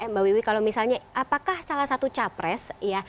mbak wiwi kalau misalnya apakah salah satu capres ya